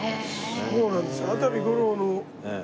そうなんですよ。